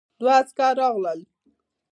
دوه عسکر راغلل.